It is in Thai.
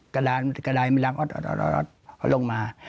กระดายมีรักอ๊อดเขาลงมา